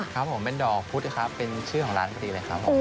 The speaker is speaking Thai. ครับผมเป็นดอกพุทธครับเป็นชื่อของร้านปกติเลยครับผมโอ้น่ารักสิ